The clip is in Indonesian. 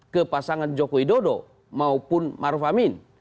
ke pasangan joko widodo maupun maruf amin